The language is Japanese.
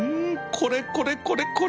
これこれこれこれ